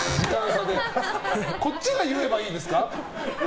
こっちが言えばいいですか。